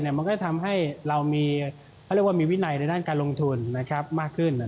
มันก็จะทำให้เรามีวินัยในการลงทุนมากขึ้น